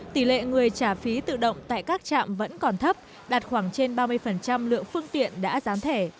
tỷ lệ người trả phí tự động tại các trạm vẫn còn thấp đạt khoảng trên ba mươi lượng phương tiện đã gián thẻ